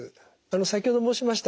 先ほど申しました